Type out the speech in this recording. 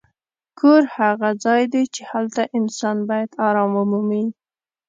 کور هغه ځای دی چې هلته انسان باید ارام ومومي.